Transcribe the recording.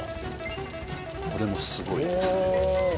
これもすごいですね